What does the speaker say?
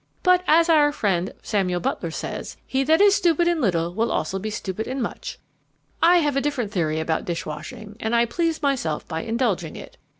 But, as our friend Samuel Butler says, he that is stupid in little will also be stupid in much. I have a different theory about dish washing, and I please myself by indulging it.